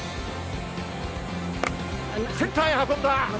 センターへ運んだ！